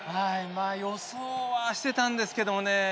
まあ予想はしてたんですけどもね。